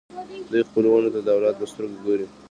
دوی خپلو ونو ته د اولاد په سترګه ګوري.